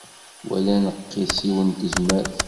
Wali aneqqis-iw n tezmert.